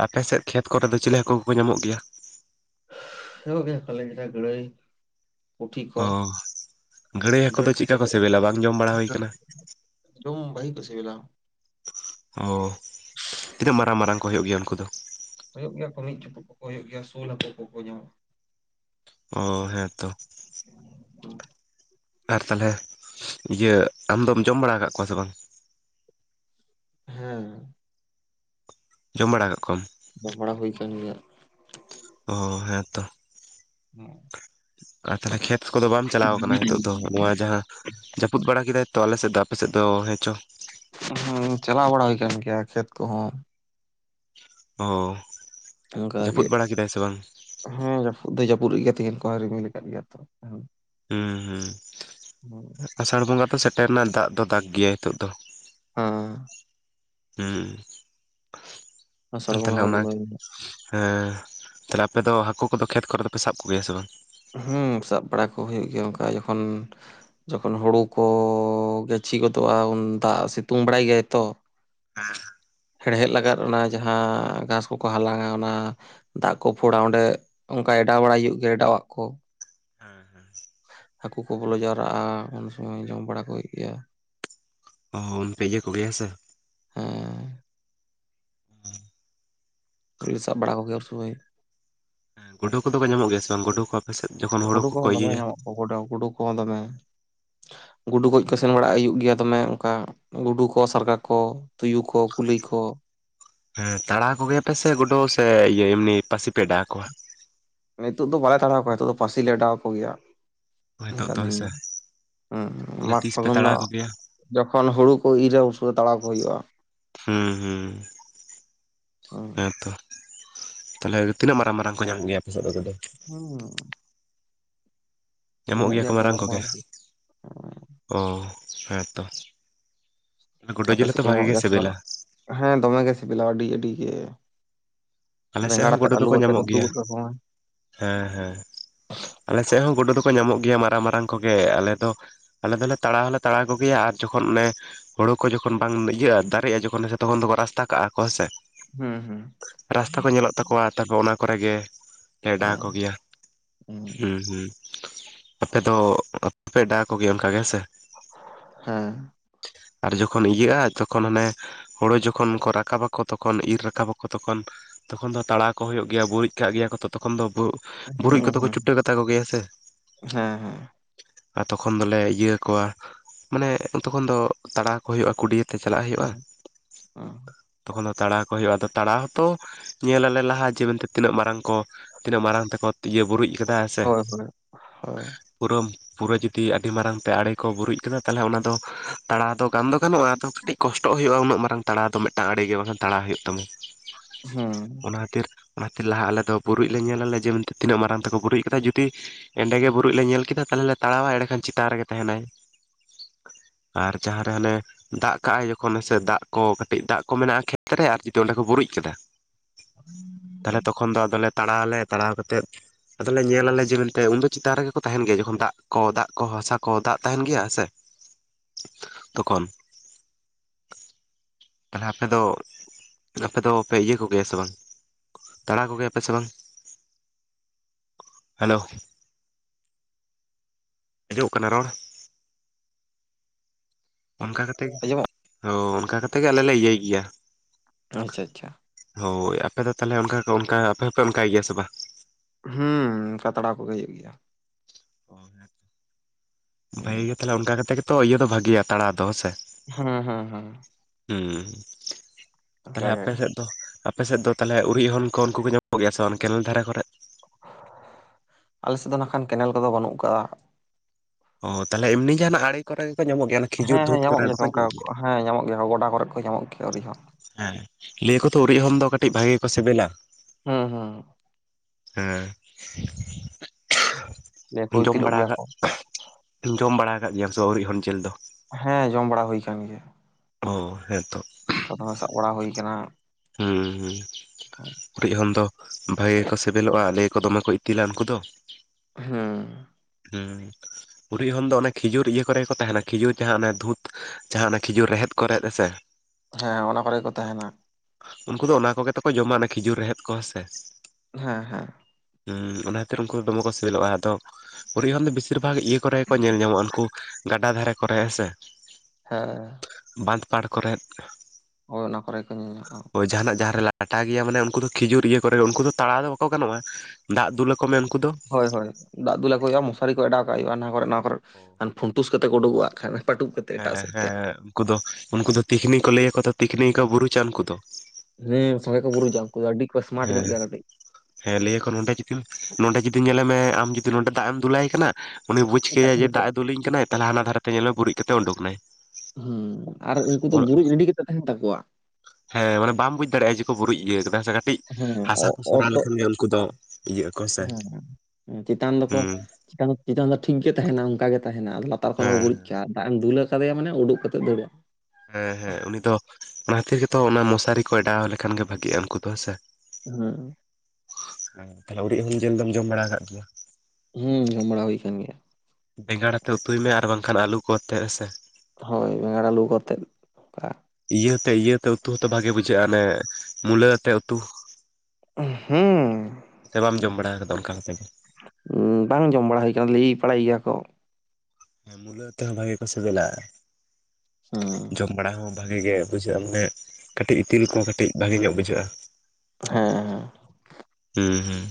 ᱟᱯᱮ ᱥᱮᱫ ᱠᱷᱮᱛ ᱠᱚᱨᱮ ᱫᱚ ᱪᱮᱞᱮ ᱦᱟᱹᱠᱩ ᱠᱚᱠᱚ ᱧᱟᱢᱚᱜ ᱜᱮᱭᱟ? ᱧᱟᱢᱚᱜ ᱜᱮᱭᱟ ᱠᱚ ᱞᱮᱸᱡᱨᱟ, ᱜᱟᱹᱲᱟᱹᱭ᱾ ᱯᱩᱴᱷᱤ ᱚ ᱠᱚ ᱜᱟᱹᱲᱟᱹᱭ ᱦᱟᱹᱠᱩ ᱫᱚ ᱰᱟᱹᱲᱠᱤ ᱪᱮᱫᱠᱟ ᱠᱚ ᱠᱟᱛᱮᱫ ᱥᱮᱵᱮᱞᱟ? ᱵᱟᱝ ᱡᱚᱢ ᱵᱟᱲᱟ ᱦᱩᱭ ᱟᱠᱟᱱᱟ᱾ ᱡᱚᱢ ᱵᱷᱟᱹᱜᱤ ᱠᱚ ᱥᱮᱵᱮᱞᱟ ᱾ ᱚ ᱛᱤᱱᱟᱹᱜ ᱢᱟᱨᱟᱝ ᱢᱟᱨᱟᱝ ᱠᱚ ᱦᱳᱭᱳᱜ ᱜᱮᱭᱟ ᱩᱱᱠᱩ ᱫᱚ? ᱦᱳᱭᱳᱜ ᱜᱮᱭᱟ ᱠᱚ ᱢᱤᱫ ᱪᱩᱯᱩᱫ ᱠᱚᱠᱚ ᱦᱩᱭᱩᱜ ᱜᱮᱭᱟ, ᱥᱳᱞ ᱦᱟᱹᱠᱩ ᱠᱚᱠᱚ ᱧᱟᱢᱚᱜ-ᱟ ᱾ ᱚᱻ ᱦᱮᱸ ᱛᱚ᱾ ᱜᱮᱭᱟ᱾ ᱟᱨ ᱛᱟᱞᱦᱮ ᱤᱭᱟᱹ ᱟᱢ ᱫᱚᱢ ᱡᱚᱢ ᱵᱟᱲᱟ ᱟᱠᱟᱫ ᱠᱚᱣᱟ ᱥᱮ ᱵᱟᱝ? ᱦᱮᱸ᱾ ᱡᱚᱢ ᱵᱟᱲᱟ ᱟᱠᱟᱜ ᱠᱚᱣᱟᱢ? ᱚᱞ ᱯᱟᱲᱦᱟᱣ ᱦᱩᱭ ᱟᱠᱟᱱ ᱜᱮᱭᱟ᱾ ᱚ ᱦᱮᱸ ᱛᱚ᱾ [inaudible] ᱟᱨ ᱛᱟᱦᱚᱞᱮ ᱠᱷᱮᱛ ᱠᱚᱫᱚ ᱵᱟᱢ ᱪᱟᱞᱟᱣ ᱟᱠᱟᱱᱟ ᱱᱤᱛᱚᱜ ᱫᱚ, ᱱᱚᱣᱟ ᱡᱟᱸᱦᱟᱸ ᱡᱟᱹᱯᱩᱫ ᱵᱟᱲᱟ ᱠᱮᱫᱟᱭ ᱛᱚ ᱟᱞᱮ ᱥᱮᱫ ᱫᱚ, ᱟᱯᱮ ᱥᱮᱫ ᱫᱚ ᱦᱮᱸᱪᱚ? ᱦᱮᱸ ᱪᱟᱞᱟᱣ ᱵᱟᱲᱟ ᱦᱩᱭ ᱠᱟᱱ ᱜᱮᱭᱟ ᱠᱷᱮᱛ ᱠᱚᱦᱚᱸ᱾ ᱚ ᱚᱱᱠᱟᱜᱮ ᱡᱟᱹᱯᱩᱫ ᱵᱟᱲᱟ ᱠᱮᱫᱟᱭ ᱥᱮ ᱵᱟᱝ ᱦᱮᱸ ᱡᱟᱹᱯᱩᱫ ᱫᱚ ᱡᱟᱹᱯᱩᱫ ᱜᱮᱭᱟ ᱛᱮᱦᱮᱧ ᱠᱚ ᱦᱚᱸᱭ ᱨᱤᱢᱤᱞ ᱟᱠᱟᱫ ᱜᱮᱭᱟ ᱛᱚ᱾ ᱦᱮᱸ ᱦᱮᱸ ᱟᱥᱟᱲ ᱵᱚᱸᱜᱟ ᱫᱚ ᱥᱮᱴᱮᱨᱱᱟ ᱫᱟᱜ ᱫᱚ ᱫᱟᱜ ᱜᱮᱭᱟ ᱱᱤᱛᱚᱜ ᱫᱚ᱾ ᱦᱟᱸ ᱟᱥᱟᱲ ᱦᱮᱸ [inaudible] ᱛᱟᱦᱞᱮ ᱵᱚᱸᱜᱟ ᱦᱚᱸ ᱚᱱᱟ ᱵᱚᱞᱚᱭᱮᱱᱟ ᱦᱮᱸ ᱛᱟᱦᱚᱞᱮ ᱟᱯᱮ ᱫᱚ ᱦᱟᱹᱠᱩ ᱠᱚᱫᱚ ᱠᱷᱮᱛ ᱠᱚᱨᱮ ᱫᱚᱯᱮ ᱥᱟᱵ ᱠᱚᱜᱮᱭᱟ ᱥᱮ ᱵᱟᱝ? ᱦᱮᱸ ᱥᱟᱵ ᱵᱟᱲᱟ ᱠᱚ ᱦᱩᱭᱩᱜ ᱜᱮᱭᱟ ᱚᱱᱠᱟ ᱡᱚᱠᱷᱚᱱ ᱡᱚᱠᱷᱚᱱ ᱦᱩᱲᱩ ᱠᱚ ᱜᱟᱹᱪᱷᱤ ᱜᱚᱫᱚᱜᱼᱟ, ᱩᱱ ᱫᱟᱜ ᱥᱤᱛᱩᱝ ᱵᱟᱲᱟᱭ ᱜᱮᱭᱟᱭ ᱛᱚ᱾ [unintelligible] ᱦᱮᱲᱦᱮᱫ ᱞᱟᱜᱟᱫ ᱚᱱᱟ ᱡᱟᱸᱦᱟᱸ ᱜᱷᱟᱸᱥ ᱠᱚᱠᱚ ᱦᱟᱞᱟᱝ-ᱟ ᱚᱱᱟ ᱫᱟᱜ ᱠᱚ ᱯᱷᱳᱲᱟ ᱚᱸᱰᱮ, ᱚᱱᱠᱟ ᱮᱰᱟᱣ ᱵᱟᱲᱟᱭ ᱦᱩᱭᱩᱜ ᱜᱮᱭᱟ ᱮᱰᱟᱣᱟᱜ ᱠᱚ᱾ ᱦᱮᱸ ᱦᱮᱸ ᱦᱟᱹᱠᱩ ᱠᱚ ᱵᱚᱞᱚ ᱡᱟᱣᱨᱟᱜᱼᱟ ᱩᱱ ᱥᱚᱢᱚᱭ ᱡᱚᱢ ᱵᱟᱲᱟ ᱠᱚ ᱦᱩᱭᱩᱜ ᱜᱮᱭᱟ᱾ ᱚᱢ ᱯᱮ ᱤᱭᱟᱹ ᱠᱚᱜᱮᱭᱟ ᱥᱮ᱾ ᱦᱮᱸ ᱩᱱ ᱥᱟᱵ ᱵᱟᱲᱟ ᱠᱚᱜᱮᱭᱟ ᱩᱱ ᱥᱚᱢᱚᱭ᱾ ᱜᱩᱰᱩ ᱠᱚᱫᱚ ᱠᱚ ᱧᱟᱢᱚᱜ ᱜᱮᱭᱟ ᱵᱟᱝ, ᱜᱩᱰᱩ ᱠᱚ? ᱟᱯᱮ ᱥᱮᱫ ᱡᱚᱠᱷᱚᱱ ᱦᱳᱲᱳ ᱜᱩᱰᱩ ᱠᱚᱠᱚ ᱠᱚᱦᱚᱸ ᱫᱚᱢᱮ ᱤᱭᱟᱹᱭᱟ ᱧᱟᱢᱚᱜ ᱠᱚ ᱜᱩᱰᱩ ᱜᱩᱰᱩ ᱠᱚᱦᱚᱸ ᱫᱚᱢᱮ, ᱜᱩᱰᱩ ᱜᱚᱡᱽ ᱠᱚ ᱥᱮᱱ ᱵᱟᱲᱟᱜ ᱦᱩᱭᱩᱜ ᱜᱮᱭᱟ ᱾ ᱫᱚᱢᱮ ᱚᱱᱠᱟ ᱜᱩᱰᱩ ᱠᱚ, ᱥᱟᱨᱜᱟ ᱠᱚ, ᱛᱩᱭᱩ ᱠᱚ, ᱠᱩᱞᱟᱹᱭ ᱠᱚ, ᱦᱮᱸ ᱛᱟᱲᱟᱣ ᱠᱚᱜᱮᱭᱟᱯᱮ ᱥᱮ ᱜᱩᱰᱩ ᱥᱮ ᱤᱭᱟᱹ ᱮᱢᱱᱤ ᱯᱟᱹᱥᱤ ᱯᱮ ᱮᱰᱟᱣ ᱟᱠᱚᱣᱟ? ᱱᱤᱛᱚᱜ ᱫᱚ ᱵᱟᱞᱮ ᱛᱟᱲᱟᱣ ᱠᱚᱣᱟ, ᱱᱤᱛᱚᱜ ᱫᱚ ᱯᱟᱹᱥᱤ ᱞᱮ ᱚᱰᱟᱣ ᱟᱠᱚ ᱜᱮᱭᱟ᱾ ᱦᱤᱛᱳᱜ ᱱᱮᱛᱟᱨ ᱫᱚ ᱫᱤᱱ ᱥᱮ ᱦᱮᱸ ᱢᱟᱜᱽ ᱯᱷᱟᱹᱜᱩᱱ ᱫᱚ ᱡᱚᱠᱷᱚᱱ ᱦᱩᱲᱩ ᱠᱚ ᱤᱨᱟ ᱩᱱ ᱥᱚᱢᱚᱭ ᱛᱟᱲᱟᱣ ᱠᱚ ᱦᱩᱭᱩᱜᱼᱟ᱾ ᱦᱮᱸ ᱦᱮᱸ, ᱦᱮᱸ ᱦᱮᱸᱛᱚ᱾ ᱛᱟᱞᱦᱮ ᱛᱤᱱᱟᱹᱜ ᱛᱤᱱᱟ. ᱜ ᱢᱟᱨᱟᱝ ᱢᱟᱨᱟᱝ ᱠᱚ ᱧᱟᱢᱚᱜ ᱜᱮᱭᱟ ᱟᱯᱮ ᱥᱮᱫ ᱨᱮᱫᱚ [unintelligible] ᱦᱮᱸ ᱧᱟᱢᱚᱜ ᱜᱮᱭᱟ ᱠᱚ ᱢᱟᱨᱟᱝ ᱠᱚᱜᱮ, ᱚ ᱦᱮᱸ ᱛᱚ᱾ ᱜᱚᱰᱩ ᱟᱯᱮ ᱡᱤᱞ ᱦᱚᱸ ᱥᱮᱫ ᱠᱚ ᱛᱚ ᱵᱷᱟᱜᱤ ᱧᱟᱢᱚᱜ ᱜᱮ ᱜᱮᱭᱟ ᱥᱮ ᱵᱟᱝ? ᱥᱤᱵᱤᱞᱟ? ᱦᱮᱸ ᱫᱚᱢᱮ ᱜᱮ ᱥᱤᱵᱤᱞᱟ ᱟᱹᱰᱤ ᱟᱹᱰᱤ ᱜᱮ᱾ ᱟᱞᱮ ᱥᱮᱫ ᱵᱮᱸᱜᱟᱲ ᱦᱚᱸ ᱟᱛᱮᱫ ᱜᱩᱰᱩ ᱟᱹᱞᱩ ᱫᱚᱠᱚ ᱟᱛᱮᱫ ᱠᱚ ᱧᱟᱢᱚᱜ ᱩᱛᱩ ᱜᱮᱭᱟ ᱜᱚᱫ ᱠᱟᱠᱚ ᱢᱟ᱾ ᱦᱮᱸ ᱦᱮᱸ, ᱟᱞᱮ ᱥᱮᱫ ᱦᱚᱸ ᱜᱳᱰᱳ ᱫᱚᱠᱚ ᱧᱟᱢᱚᱜ ᱜᱮᱭᱟ ᱢᱟᱨᱟᱝ ᱢᱟᱨᱟᱝ ᱠᱚᱜᱮ, ᱟᱞᱮ ᱫᱚ ᱟᱞᱮ ᱫᱚᱞᱮ ᱛᱟᱲᱟᱣ ᱦᱚᱸᱞᱮ ᱛᱟᱲᱟᱣ ᱠᱚᱜᱮᱭᱟ ᱟᱨ ᱡᱚᱠᱷᱚᱱ ᱚᱱᱮ ᱦᱳᱲᱳ ᱠᱚ ᱡᱚᱠᱷᱚᱱ ᱵᱟᱝ ᱤᱭᱟᱹᱜᱼᱟ ᱫᱟᱨᱮᱜᱼᱟ, ᱡᱚᱠᱷᱚᱱ ᱦᱮ ᱛᱚᱠᱷᱚᱱ ᱫᱚᱠᱚ ᱨᱟᱥᱛᱟ ᱠᱟᱜᱼᱟ ᱠᱚ ᱦᱮᱸ ᱥᱮ᱾ ᱦᱮᱸ ᱦᱮᱸ᱾ ᱨᱟᱥᱛᱟ ᱠᱚ ᱧᱮᱞᱚᱜ ᱛᱟᱠᱚᱣᱟ, ᱛᱟᱯᱚᱨ ᱚᱱᱟ ᱠᱚᱨᱮ ᱜᱮ ᱞᱮ ᱮᱰᱟᱣ ᱦᱩᱸ ᱟᱠᱚ ᱜᱮᱭᱟ᱾ ᱦᱩᱸ ᱟᱯᱮ ᱫᱚ [inaudible] ᱯᱮ ᱮᱰᱟᱣ ᱟᱠᱚ ᱜᱮᱭᱟ ᱚᱱᱠᱟ ᱦᱮᱸ ᱥᱮ? ᱦᱮᱸ ᱟᱨ ᱡᱚᱠᱷᱚᱱ ᱤᱭᱟᱹᱜᱼᱟ ᱛᱚᱠᱷᱚᱱ ᱦᱟᱱᱮ ᱦᱳᱲᱳ ᱡᱚᱠᱷᱚᱱ ᱠᱚ ᱨᱟᱠᱟᱵᱟᱠᱚ, ᱛᱚᱠᱷᱚᱱ ᱤᱨ ᱨᱟᱠᱟᱵᱟᱠᱚ ᱛᱚᱠᱷᱚᱱ ᱛᱚᱠᱷᱚᱱ ᱫᱚ ᱛᱟᱲᱟᱣ ᱠᱚ ᱦᱩᱭᱩᱜ ᱜᱮᱭᱟ ᱵᱩᱨᱩᱡ ᱠᱟᱜ ᱜᱮᱭᱟ ᱠᱚ ᱛᱚᱠᱷᱚᱱ ᱫᱚᱼᱼ ᱵᱩᱨᱩᱡ ᱦᱩᱸ ᱠᱚᱫᱚ ᱠᱚ ᱦᱩᱸ ᱪᱩᱴᱟᱹ ᱠᱟᱛᱟ ᱠᱚᱜᱮᱭᱟ ᱥᱮ? ᱦᱮᱸ ᱦᱮᱸ ᱟᱨ ᱛᱚᱠᱷᱚᱱ ᱫᱚᱞᱮ ᱤᱭᱟᱹ ᱣᱟᱠᱚᱣᱟ ᱢᱟᱱᱮ ᱛᱚᱠᱷᱚᱱ ᱫᱚ ᱛᱟᱲᱟᱣ ᱠᱚ ᱦᱩᱭᱩᱜᱼᱟ ᱠᱩᱰᱤᱭᱟ ᱛᱮ ᱪᱟᱞᱟᱜ ᱦᱩᱭᱩᱜᱼᱟ, ᱦᱩᱸ ᱦᱩᱸ ᱛᱚᱠᱷᱚᱱ ᱫᱚ ᱛᱟᱲᱟᱣ ᱠᱚ ᱦᱩᱭᱩᱜᱼᱟ ᱟᱫᱚ ᱛᱟᱲᱟᱣ ᱦᱚᱸ ᱛᱚᱼᱼ ᱧᱮᱞᱟᱞᱮ ᱞᱟᱦᱟ ᱡᱮ ᱢᱮᱱᱛᱮ ᱛᱤᱱᱟᱹᱜ ᱢᱟᱨᱟᱝ ᱠᱚ ᱛᱤᱱᱟᱹᱜ ᱢᱟᱨᱟᱝ ᱛᱮᱠᱚ ᱤᱭᱟᱹ ᱵᱩᱨᱩᱡ ᱠᱮᱫᱟ ᱦᱮ ᱥᱮ ᱦᱳᱭ ᱦᱳᱭ ᱦᱳᱭ ᱯᱩᱨᱟᱹᱢ ᱯᱩᱨᱟᱹ ᱡᱩᱫᱤ ᱟᱹᱰᱤ ᱢᱟᱨᱟᱝ ᱛᱮ ᱟᱲᱮ ᱠᱚ ᱵᱩᱨᱩᱡ ᱠᱟᱫᱟ ᱛᱟᱦᱚᱞᱮ ᱚᱱᱟ ᱫᱚ ᱛᱟᱲᱟᱣ ᱫᱚ ᱜᱟᱱ ᱫᱚ ᱜᱟᱱᱚᱜᱼᱟ ᱟᱫᱚ ᱠᱟᱹᱴᱤᱡ ᱠᱚᱥᱴᱚᱜ ᱦᱩᱭᱩᱜᱼᱟ ᱩᱱᱟᱹᱜ ᱢᱟᱨᱟᱝ ᱠᱚᱥᱴᱚᱜ ᱦᱩᱭᱩᱜᱼᱟ ᱩᱱᱟᱹᱜ ᱢᱟᱨᱟᱜ ᱛᱟᱲᱟᱣ ᱫᱚ ᱢᱤᱫᱴᱟᱝ ᱟᱲᱮᱜᱮ ᱵᱟᱝᱠᱷᱟᱱ ᱛᱟᱲᱟᱣ ᱦᱳᱭᱳᱜ ᱛᱟᱢᱟ ᱾ ᱦᱩᱸ᱾ ᱚᱱᱟ ᱠᱷᱟᱛᱤᱨ ᱚᱱᱟ ᱠᱷᱟᱛᱤᱨ ᱞᱟᱦᱟ ᱟᱞᱮᱫᱚ ᱵᱩᱨᱩᱡ ᱞᱮ ᱧᱮᱞᱟᱞᱮ ᱛᱤᱱᱟᱹᱜ ᱢᱟᱨᱟᱝ ᱛᱮᱠᱚ ᱵᱩᱨᱤᱡ ᱟᱠᱟᱫᱟ ᱡᱩᱫᱤ ᱮᱸᱰᱮ ᱜᱮ ᱵᱩᱨᱩᱡ ᱞᱮ ᱧᱮᱞ ᱠᱮᱫᱟ ᱛᱟᱦᱞᱮ ᱞᱮ ᱛᱟᱲᱣᱟ ᱮᱸᱰᱮ ᱠᱷᱟᱱ ᱪᱮᱛᱟᱱ ᱨᱮᱜᱮ ᱛᱟᱦᱮᱱᱟᱭ᱾ ᱟᱨ ᱡᱟᱦᱟᱸ ᱨᱮ ᱦᱟᱱᱮ ᱫᱟᱜ ᱠᱟᱜᱼ ᱟᱭ ᱡᱚᱠᱷᱚᱱ ᱥᱮ ᱫᱟᱜ ᱠᱚ ᱠᱟᱹᱴᱤᱡ ᱫᱟᱜ ᱠᱚ ᱢᱮᱱᱟᱜᱼᱟ ᱠᱷᱮᱛᱨᱮ ᱟᱨ ᱡᱩᱫᱤ ᱚᱸᱰᱮ ᱠᱚ ᱵᱩᱨᱤᱡ ᱠᱟᱫᱟ᱾ [inaudible] ᱛᱟᱦᱞᱮ ᱛᱚᱠᱷᱚᱱ ᱫᱚ ᱟᱫᱚᱞᱮ ᱛᱟᱲᱟᱣᱟᱞᱮ ᱛᱟᱲᱟᱣ ᱠᱟᱛᱮᱫ ᱟᱫᱚᱞᱮ ᱧᱮᱞ ᱟᱞᱮ ᱡᱮ ᱢᱮᱱᱛᱮ ᱩᱱ ᱫᱚ ᱪᱮᱛᱟᱱ ᱨᱮᱜᱮ ᱠᱚ ᱛᱟᱦᱮᱱ ᱜᱮᱭᱟ ᱡᱚᱠᱷᱚᱱ ᱫᱟᱜ ᱠᱚ ᱫᱟᱜ ᱠᱚ ᱦᱟᱥᱟ ᱠᱚ ᱫᱟᱜ ᱛᱟᱦᱮᱱ ᱜᱮᱭᱟ ᱦᱮ ᱥᱮ᱾ [inaudible] ᱛᱚᱠᱷᱚᱱ᱾ ᱛᱟᱦᱚᱞᱮ ᱟᱯᱮ ᱫᱚ ᱟᱯᱮ ᱫᱚᱯᱮ ᱤᱭᱟᱹ ᱠᱚᱜᱮᱭᱟ ᱥᱮ ᱵᱟᱝ? ᱛᱟᱲᱟᱣ ᱠᱚᱜᱮᱭᱟᱯᱮ ᱥᱮ ᱵᱟᱝ, ᱦᱮᱞᱳ᱾ ᱟᱸᱡᱚᱢᱚᱜ ᱠᱟᱱᱟ ᱨᱚᱲ? ᱚᱱᱠᱟ ᱠᱟᱛᱮ ᱟᱸᱡᱚᱢᱚᱜ ᱦᱳ ᱚᱱᱠᱟ ᱠᱟᱛᱮ ᱜᱮ ᱟᱞᱮ ᱞᱮ ᱤᱭᱟᱹᱭ ᱜᱮᱭᱟ᱾ ᱟᱪᱪᱷᱟ ᱟᱪᱪᱷᱟ᱾ ᱦᱳᱭ, ᱟᱯᱮ ᱫᱚ ᱛᱦᱚᱞᱮ ᱚᱱᱠᱟ ᱠᱚ ᱚᱱᱠᱟ ᱟᱯᱮ ᱦᱚᱯᱮ ᱚᱱᱠᱟᱭ ᱜᱮᱭᱟ ᱥᱮ ᱵᱟᱝ? ᱦᱩᱸ ᱚᱱᱠᱟ ᱛᱟᱲᱟᱣ ᱠᱚᱜᱮ ᱦᱩᱭᱩᱜ ᱜᱮᱭᱟ᱾ [inaudible] ᱦᱩᱸ ᱵᱷᱟᱜᱮ ᱜᱮ ᱛᱟᱦᱚᱞᱮ ᱚᱱᱠᱟ ᱠᱟᱛᱮ ᱜᱮᱛᱚ ᱤᱭᱟᱹ ᱫᱚ ᱵᱷᱟᱜᱮᱭᱟ ᱛᱟᱲᱟᱣ ᱫᱚ ᱦᱮ ᱥᱮ᱾ ᱦᱩᱸ ᱦᱩᱸ ᱦᱩᱸ᱾ ᱦᱩᱸ, ᱛᱟᱦᱞᱮ ᱚᱱᱠᱟᱜᱮ ᱟᱯᱮ ᱥᱮᱫ ᱛᱚ ᱟᱯᱮ ᱥᱮᱫ ᱫᱚ ᱛᱟᱦᱚᱞᱮ ᱩᱨᱤᱡᱦᱚᱱ ᱠᱚ ᱩᱱᱠᱩ ᱠᱚ ᱧᱟᱢᱚᱜ ᱜᱮᱭᱟ ᱥᱮ ᱠᱮᱱᱮᱞ ᱫᱷᱟᱨᱮ ᱠᱚᱨᱮᱜ? ᱟᱞᱮ ᱥᱮᱫ ᱫᱚ ᱱᱟᱠᱷᱟᱱ ᱠᱮᱱᱮᱞ ᱠᱚᱫᱚ ᱵᱟᱹᱱᱩᱜ ᱠᱟᱜᱼᱟ᱾ ᱳ ᱛᱟᱦᱚᱞᱮ ᱮᱢᱱᱤ ᱡᱟᱦᱟᱱᱟᱜ ᱟᱲᱮ ᱠᱚᱨᱮ ᱜᱮᱠᱚ ᱧᱟᱢᱚᱜ ᱜᱮᱭᱟ ᱚᱱᱮ ᱦᱮᱸ ᱦᱮᱸ ᱧᱟᱢᱚᱜ ᱜᱮᱭᱟ ᱠᱚ ᱚᱱᱠᱟ ᱦᱮᱸ ᱧᱟᱢᱚᱜ ᱜᱮᱭᱟ ᱜᱚᱰᱟ ᱠᱚᱨᱮ ᱠᱚ ᱧᱟᱢᱚᱜ ᱜᱮᱭᱟ ᱩᱨᱤᱡᱦᱚᱱ᱾ ᱦᱮᱸ ᱞᱟᱹᱭᱟᱠᱚ ᱛᱚ ᱩᱨᱤᱡᱦᱚᱱ ᱫᱚ ᱠᱟᱹᱴᱤᱡ ᱵᱷᱟᱜᱤ ᱜᱮ ᱠᱚ ᱥᱤᱵᱤᱞᱟ᱾ ᱦᱩᱸ ᱦᱩᱸ᱾ ᱦᱮᱸ᱾ ᱞᱟᱹᱭ ᱟᱠᱚ [unintelligible] ᱡᱚᱢ ᱤᱛᱤᱞᱚᱜ ᱵᱟᱲᱟ ᱜᱮᱭᱟ ᱠᱟᱜ ᱠᱚ ᱡᱚᱢ ᱵᱟᱲᱟ ᱟᱠᱟᱫ ᱜᱮᱭᱟᱢ ᱭ ᱩᱨᱤᱡᱦᱚᱱ ᱡᱮᱞ ᱫᱚ? ᱦᱮᱸ ᱡᱚᱢ ᱵᱟᱲᱟ ᱦᱩᱭ ᱠᱟᱱ ᱜᱮᱭᱟ᱾ ᱚ ᱦᱮᱸ ᱛᱚ᱾ ᱟᱭᱢᱟ ᱥᱟᱵ ᱵᱟᱲᱟ ᱦᱩᱭ ᱠᱟᱱᱟ᱾ ᱦᱩᱸ ᱦᱩᱸ᱾ [inaudible] ᱩᱨᱤᱡᱦᱚᱱ ᱫᱚ ᱵᱷᱟᱜᱮ ᱜᱮᱠᱚ ᱥᱤᱵᱤᱞᱚᱜᱼᱟ, ᱞᱟᱹᱭ ᱟᱠᱚ ᱫᱚᱢᱮ ᱠᱚ ᱤᱛᱤᱞᱟ ᱩᱱᱠᱩ ᱫᱚ᱾ ᱦᱩᱸ᱾ ᱦᱩ ᱩᱨᱤᱡᱦᱚᱱ ᱫᱚ ᱚᱱᱮ ᱠᱷᱤᱡᱩᱨ ᱤᱭᱟᱹ ᱠᱚᱨᱮ ᱠᱚ ᱛᱟᱦᱮᱱᱟ ᱠᱷᱤᱡᱩᱨ ᱡᱟᱦᱟ ᱚᱱᱮ ᱫᱷᱩᱛ ᱡᱟᱦᱟ ᱚᱱᱟ ᱠᱷᱤᱡᱩᱨ ᱨᱮᱦᱮᱫ ᱠᱚᱨᱮ ᱦᱮᱥᱮ ᱦᱮ ᱚᱱᱟ ᱠᱚᱨᱮ ᱠᱚ ᱛᱟᱦᱮᱱᱟ ᱩᱱᱠᱩ ᱫᱚ ᱚᱱᱟ ᱠᱚᱜᱮ ᱛᱮᱠᱚ ᱡᱚᱢ-ᱟ ᱚᱱᱟ ᱠᱷᱤᱡᱩᱨ ᱨᱮᱦᱮᱫ ᱠᱚ ᱦᱮᱥᱮ ᱦᱮᱸ ᱦᱮᱸ ᱚᱱᱟ ᱠᱷᱟᱹᱛᱤᱨ ᱩᱱᱠᱩ ᱫᱚ ᱫᱚᱢᱮ ᱠᱚ ᱥᱤᱵᱤᱞᱚᱜᱼᱟ ᱟᱫᱚ ᱩᱨᱤᱡᱦᱚᱱ ᱫᱚ ᱵᱤᱹᱹᱹ ᱵᱮᱥᱤᱨ ᱵᱷᱟᱜᱽ ᱤᱭᱟᱹ ᱠᱚᱨᱮ ᱜᱮ ᱠᱚ ᱧᱮᱞ ᱧᱟᱢᱚᱜᱼᱟ ᱩᱱᱠᱩ ᱜᱟᱰᱟ ᱫᱷᱟᱨᱮ ᱠᱚᱨᱮ ᱦᱮ ᱥᱮ ᱦᱮᱸ ᱵᱟᱸᱫᱷᱯᱟᱲ ᱠᱚᱨᱮᱫ ᱦᱳᱭ ᱚᱱᱟ ᱠᱚᱨᱮ ᱠᱚ ᱧᱮᱧᱟᱢᱟ ᱦᱳᱭ ᱡᱟᱦᱟᱱᱟᱜ ᱡᱟᱦᱟᱨᱮ ᱞᱟᱜ ᱠᱟᱴᱟ ᱜᱮᱭᱟ ᱢᱟᱱᱮ ᱩᱱᱠᱩ ᱫᱚ ᱠᱷᱤᱡᱩᱨ ᱤᱭᱟᱹ ᱠᱚᱨᱮ ᱩᱱᱠᱩ ᱫᱚ ᱛᱟᱲᱟᱣ ᱫᱚ ᱵᱟᱠᱚ ᱜᱟᱱᱚᱜᱼᱟ ᱫᱟᱜ ᱫᱩᱞ ᱟᱠᱚ ᱢᱮ ᱩᱱᱠᱩ ᱫᱚ ᱦᱳᱭ ᱦᱳᱭ ᱫᱟᱜ ᱫᱩᱞ ᱟᱠᱚ ᱦᱩᱭᱩᱜᱼᱟ ᱢᱚᱥᱟᱨᱤ ᱠᱚ ᱚᱰᱟᱣ ᱠᱟᱜ ᱦᱩᱭᱩᱜᱼᱟ ᱦᱟᱱᱟ ᱠᱚᱨᱮ ᱱᱟᱣᱟ ᱠᱚᱨᱮ ᱯᱷᱩᱴᱩᱥ ᱠᱟᱛᱮ ᱩᱰᱳᱚᱜ-ᱟ ᱟᱠᱷᱟᱱ ᱯᱟᱹᱴᱩᱵ ᱠᱟᱛᱮ ᱦᱮ ᱮᱴᱟᱜ ᱥᱮᱫ ᱦᱮ ᱛᱮ ᱩᱱᱠᱩ ᱫᱚ ᱩᱱᱠᱩ ᱫᱚ ᱛᱤᱠᱱᱤ ᱠᱚ ᱞᱟᱹᱭ ᱟᱠᱚ ᱛᱤᱠᱱᱤ ᱠᱚ ᱵᱩᱨᱩᱪᱟ ᱩᱱᱠᱩ ᱫᱚ ᱦᱮ ᱥᱚᱸᱜᱮ ᱠᱚ ᱵᱩᱨᱩᱪᱟ ᱩᱱᱠᱩ ᱫᱚ ᱟᱹᱰᱤ ᱠᱚ ᱤᱥᱢᱟᱴ ᱧᱚᱜ ᱜᱮᱭᱟ ᱠᱟᱹᱴᱤᱡ ᱦᱮ ᱞᱟᱹᱭ ᱟᱠᱚ ᱱᱚᱰᱮ ᱡᱩᱫᱤ ᱱᱚᱰᱮ ᱡᱩᱫᱤᱢ ᱧᱮᱞ ᱢᱮ ᱟᱢ ᱡᱩᱫᱤ ᱱᱚᱰᱮ ᱫᱟᱜ ᱮᱢ ᱫᱩᱞ ᱟᱭ ᱠᱟᱱᱟ ᱩᱱᱤ ᱵᱩᱡᱽ ᱮᱴᱟᱜ ᱠᱮᱫᱟᱭ ᱡᱮ ᱴᱷᱮᱱ ᱛᱮ ᱫᱟᱜ ᱮᱢ ᱫᱩᱞ ᱟᱭ ᱠᱟᱱᱟ ᱛᱟᱦᱚᱞᱮ ᱦᱟᱱᱟ ᱫᱷᱟᱨᱮ ᱛᱮ ᱧᱮᱞ ᱢᱮ ᱵᱩᱨᱩᱪ ᱠᱟᱛᱮᱫ ᱩᱰᱳᱜ ᱮᱱᱟᱭ ᱦᱩ ᱟᱨ ᱩᱱᱠᱩ ᱫᱚ ᱵᱩᱲᱩᱪ ᱨᱮᱰᱤ ᱠᱟᱛᱮᱫ ᱛᱟᱦᱮᱱ ᱛᱟᱠᱚᱣᱟ ᱦᱮ ᱢᱟᱱᱮ ᱵᱟᱝ ᱵᱩᱡᱽ ᱫᱟᱲᱮᱭᱟᱜᱼᱟ ᱡᱮ ᱵᱩᱨᱩᱪ ᱤᱭᱟᱹ ᱠᱟᱫᱟ ᱥᱮ ᱠᱟᱹᱴᱤᱡ ᱼᱼ ᱦᱟᱥᱟ ᱠᱚ ᱥᱚᱨᱟ ᱞᱮᱠᱷᱟᱱ ᱜᱮ ᱩᱱᱠᱩ ᱫᱚ ᱤᱭᱟᱹᱜ ᱟᱠᱚ ᱥᱮ ᱦᱮ ᱪᱮᱛᱟᱱ ᱫᱚᱠᱚ ᱦᱩᱸ ᱼᱼ ᱪᱮᱛᱟᱱ ᱫᱚ ᱴᱷᱤᱠ ᱜᱮ ᱛᱟᱦᱮᱱᱟ ᱚᱱᱠᱟ ᱜᱮ ᱛᱟᱦᱮᱱᱟ ᱟ ᱞᱟᱛᱟᱨ ᱠᱷᱚᱱ ᱫᱟᱠᱟ ᱦᱮᱸ ᱵᱩᱨᱩᱪ ᱫᱟᱜ ᱮᱢ ᱫᱩᱞ ᱠᱟᱭᱫᱮᱭᱟ ᱢᱟᱱᱮ ᱩᱰᱳᱠ ᱠᱟᱛᱮᱫ ᱫᱟᱹᱲ ᱟᱭ ᱦᱮ ᱦᱮ ᱩᱱᱤ ᱫᱚ ᱚᱱᱟ ᱠᱷᱟᱹᱛᱤᱨ ᱜᱮᱛᱚ ᱚᱱᱟ ᱢᱚᱥᱟᱨᱤ ᱠᱚ ᱚᱰᱟᱣ ᱞᱮᱠᱷᱟᱱ ᱜᱮ ᱵᱷᱟᱜᱮᱜᱼᱟ ᱩᱱᱠᱩ ᱫᱚ ᱦᱮ ᱥᱮ ᱦᱮᱸ ᱛᱟᱦᱚᱞᱮ ᱩᱨᱤᱡᱦᱚᱱᱧ ᱡᱮᱞ ᱫᱚᱢ ᱡᱚᱢ ᱵᱟᱲᱟ ᱟᱠᱟᱫ ᱜᱮᱭᱟ ᱦᱩᱸ ᱡᱚᱢ ᱵᱟᱲᱟ ᱦᱩᱭ ᱠᱟᱱ ᱜᱮᱭᱟ ᱵᱮᱸᱜᱟᱲ ᱟᱛ ᱩᱛᱩᱭ ᱢᱮ ᱟᱨ ᱵᱟᱝᱠᱷᱟᱱ ᱟᱞᱩ ᱠᱚ ᱟᱛᱮᱜ ᱦᱮᱥᱮ ᱦᱳᱭ ᱵᱮᱸᱜᱟᱲ ᱟᱞᱩ ᱠᱟᱛᱮᱫ ᱚᱱᱠᱟ ᱤᱭᱟᱹᱛᱮ ᱤᱭᱟᱹᱛᱮ ᱩᱛᱩ ᱦᱚᱸᱛᱚ ᱵᱷᱟᱜᱮ ᱵᱩᱡᱷᱟᱹᱜᱼᱟ ᱚᱱᱮ ᱢᱩᱞᱟᱹ ᱟᱛᱮᱜ ᱩᱛᱩ ᱦᱩᱸ ᱥᱮ ᱵᱟᱢ ᱡᱚᱢ ᱵᱟᱲᱟ ᱟᱠᱟᱫᱟ ᱚᱱᱠᱟ ᱠᱟᱛᱮ ᱵᱟᱝ ᱡᱚᱢ ᱵᱟᱲᱟ ᱦᱩᱭ ᱠᱟᱱᱟ ᱞᱮᱭ ᱵᱟᱲᱟᱭ ᱜᱮᱭᱟ ᱠᱚ ᱢᱩᱞᱳ ᱛᱮ ᱦᱚᱸ ᱵᱷᱟᱜᱤ ᱠᱚ ᱥᱮᱵᱮᱞᱟ ᱦᱩᱸ ᱦᱩᱸ ᱵᱟᱲᱟ ᱦᱚᱸ ᱵᱷᱟᱜᱮ ᱜᱮ ᱵᱩᱡᱷᱟᱹᱜ-ᱟ ᱢᱟᱱᱮ ᱠᱟᱹᱴᱤᱡ ᱤᱛᱤᱞ ᱠᱚ ᱠᱟᱴᱤᱜ ᱵᱷᱟᱜᱤᱧᱚᱜ ᱵᱩᱡᱷᱟᱹᱜᱼᱟ ᱦᱮᱸ ᱦᱮᱸ ᱮᱸ ᱦᱮᱸ